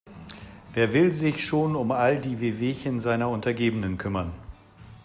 Wer will sich schon um all die Wehwehchen seiner Untergebenen kümmern?